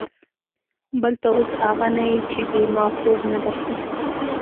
بل ته اوس اغه نه يې چې بې ما خوب نه درته.